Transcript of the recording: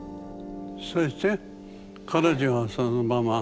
そして彼女はそのまま。